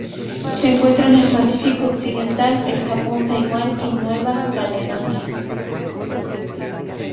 Se encuentra en el Pacífico occidental: el Japón Taiwán y Nueva Caledonia.